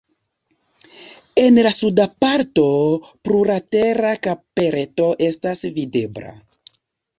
En la suda parto plurlatera kapeleto estas videbla.